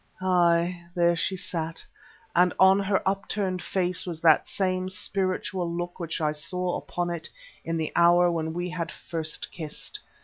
Ay! there she sat, and on her upturned face was that same spiritual look which I saw upon it in the hour when we first had kissed.